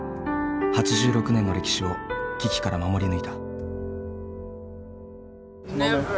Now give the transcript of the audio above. ８６年の歴史を危機から守り抜いた。